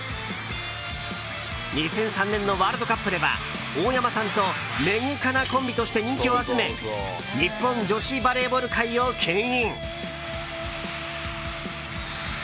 ２００３年のワールドカップでは大山さんとメグカナコンビとして人気を集め日本女子バレーボール界を牽引。